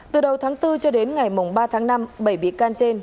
từ đầu tháng bốn cho đến ngày ba tháng năm bảy bị can trên